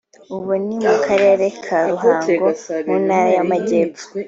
ubu ni mu Karere ka Ruhango mu Ntara y’Amajyepfo